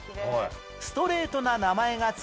ストレートな名前が付く